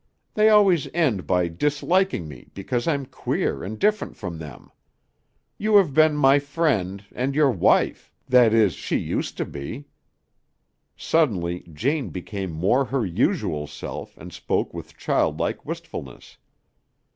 They always end by disliking me because I'm queer and different from them. You have been my friend, and your wife that is, she used to be." Suddenly Jane became more her usual self and spoke with childlike wistfulness.